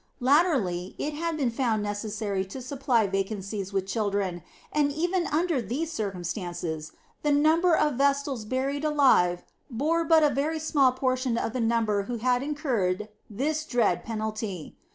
Latterly, it had been found necessary to supply vacancies with children, and even under these circumstances, the number of Vestals buried alive bore but a very small proportion to the number who had incurred this dread penalty.